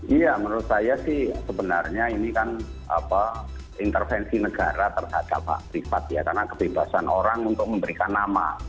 iya menurut saya sih sebenarnya ini kan intervensi negara terhadap hak privat ya karena kebebasan orang untuk memberikan nama